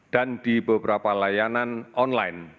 dan di beberapa layanan online